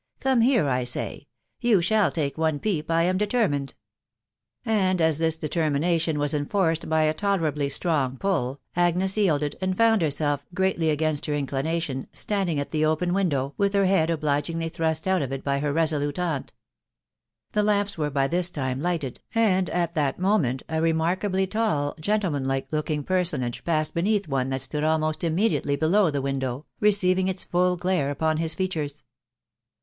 ■Come here, I say ; you shall take one peep, I am determrned." And as this determination was enforced by a tolerably strong pull, Agnes yielded, and found herself, greatly against her in clination, standing at the open window, with her head obligingly thrust out of it by her* resolute aunt The lamps were by this time lighted* and at that moment a remarkably tall, gentleman like looking personage passed be neam one that stood almost immediately below the window^ receiving; its' full glare upon his features.